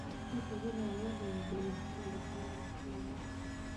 توت ونه ولې د وریښمو لپاره مهمه ده؟